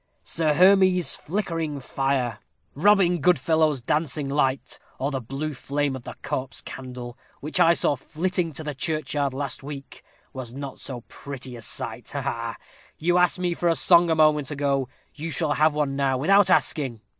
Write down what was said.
St. Hermes's flickering fire, Robin Goodfellow's dancing light, or the blue flame of the corpse candle, which I saw flitting to the churchyard last week, was not so pretty a sight ha, ha! You asked me for a song a moment ago you shall have one now without asking."